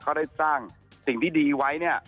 เขาได้สร้างสิ่งที่ดีไว้เนี่ย